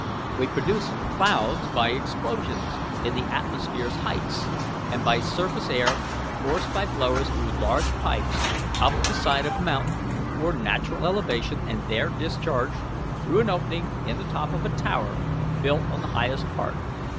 We produce clouds by explosions in the atmosphere's heights and by surface air forced by blowers through large pipes up the side of a mountain or natural elevation and there discharged through an opening in the top of a tower built on the highest part.